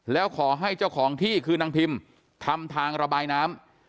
แล้วขอให้เจ้าของที่คือนางพิมทำทางระบายน้ำ